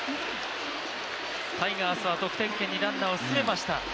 タイガースは得点圏にランナーを進めました。